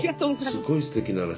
そうすごいすてきな話。